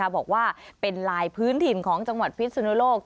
บอกว่าเป็นลายพื้นถิ่นของจังหวัดพิสุนโลก